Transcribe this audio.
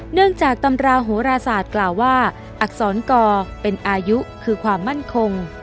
จากตำราโหราศาสตร์กล่าวว่าอักษรกอเป็นอายุคือความมั่นคง